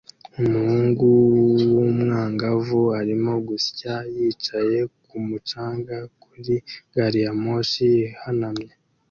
Umuhungu w'umwangavu arimo gusya yicaye kumu canga kuri gari ya moshi ihanamye